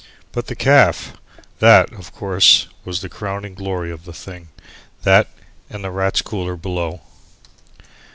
But the caff! that, of course, was the crowning glory of the thing, that and the Rats' Cooler below.